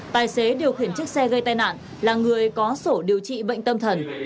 tài xế điều khiển chiếc xe gây tai nạn là người có sổ điều trị bệnh tâm thần